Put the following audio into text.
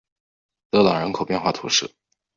勒朗人口变化图示